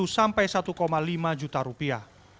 sampai satu lima juta rupiah